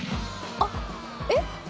あっえっ？